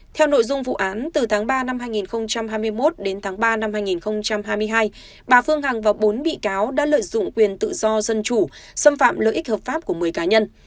theo nội dung vụ án từ tháng ba năm hai nghìn hai mươi một đến tháng ba năm hai nghìn hai mươi hai bà phương hằng và bốn bị cáo đã lợi dụng quyền tự do dân chủ xâm phạm lợi ích hợp pháp của một mươi cá nhân